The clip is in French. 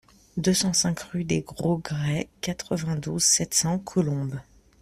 deux cent cinq rue des Gros Grès, quatre-vingt-douze, sept cents, Colombes